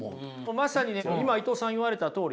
まさにね今伊藤さん言われたとおりでね。